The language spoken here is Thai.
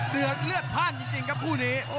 เดือดเลือดพลาดจริงครับคู่นี้